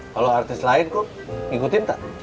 kalau artis lain kok ikutin tak